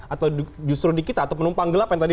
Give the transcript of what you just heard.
atau justru di kita atau penumpang gelap yang tadi